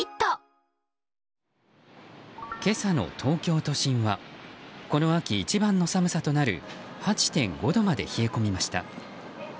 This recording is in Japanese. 今朝の東京都心はこの秋一番の寒さとなる８．５度まで冷え込みました。